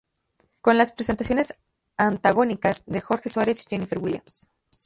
Con las presentaciones antagónicas de Jorge Suárez y Jennifer Williams.